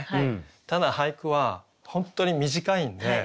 ただ俳句は本当に短いんで。